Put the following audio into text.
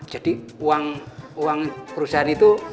jadi uang perusahaan itu